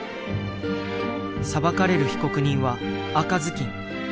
裁かれる被告人は赤ずきん。